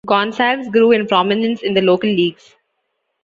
Gonsalves grew in prominence in the local leagues.